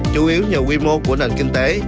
chủ yếu nhờ quy mô của nền kinh tế